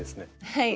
はい。